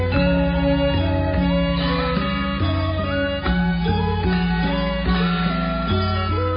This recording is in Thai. ทรงเป็นน้ำของเรา